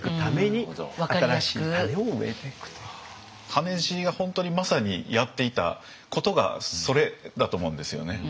羽地が本当にまさにやっていたことがそれだと思うんですよね。